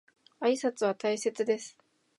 挨拶は大切です。